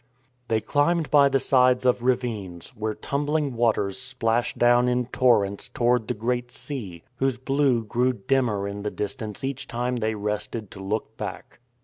They climbed by the sides of ravines, where tum bling waters splashed down in torrents toward the Great Sea, whose blue grew dimmer in the distance each time they rested to look back.